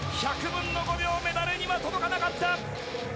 １００分の５秒、メダルには届かなかった。